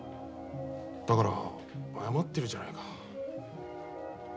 だから謝ってるじゃないか。